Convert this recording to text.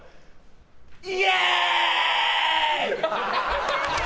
イエーイ！！